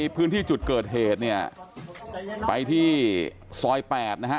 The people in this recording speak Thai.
พื้นที่จุดเกิดเหตุเนี่ยไปที่ซอย๘นะฮะ